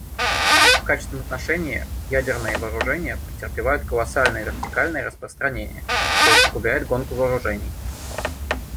В качественном отношении ядерные вооружения претерпевают колоссальное вертикальное распространение, что усугубляет гонку вооружений.